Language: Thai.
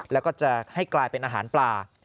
แล้วก็จะให้กลายเป็นอาหารปลา